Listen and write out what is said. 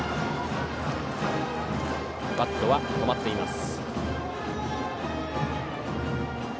バットは止まっています。